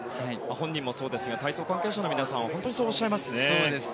本人もそうですが体操関係者の皆さんが本当にそうおっしゃいますね。